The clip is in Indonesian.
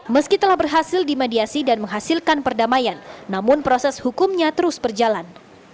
meski telah berhasil dimediasi dan menghasilkan perdamaian namun proses hukumnya terus berjalan